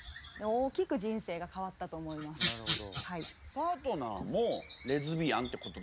パートナーもレズビアンってことですか？